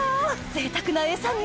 ぜいたくな餌に？